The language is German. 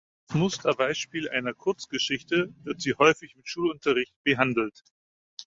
Als Musterbeispiel einer Kurzgeschichte wird sie häufig im Schulunterricht behandelt.